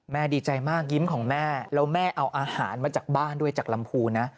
ดีใจมากยิ้มของแม่แล้วแม่เอาอาหารมาจากบ้านด้วยจากลำพูนะ